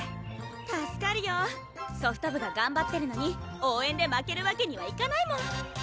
助かるよソフト部ががんばってるのに応援で負けるわけにはいかないもん！